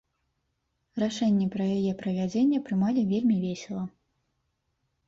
Рашэнне пра яе правядзенне прымалі вельмі весела.